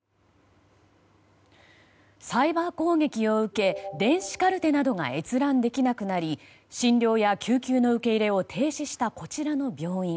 サイバー攻撃を受け電子カルテなどが閲覧できなくなり診療や救急の受け入れを停止したこちらの病院。